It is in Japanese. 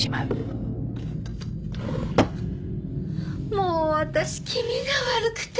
もう私気味が悪くて。